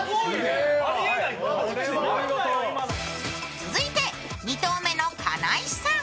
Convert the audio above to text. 続いて、２投目のカナイさん。